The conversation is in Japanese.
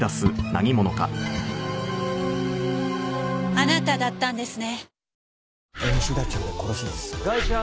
あなただったんですね。